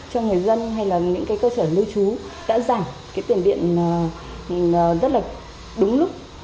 cho người dân hay là những cái cơ sở lưu trú đã giảm cái tiền điện rất là đúng lúc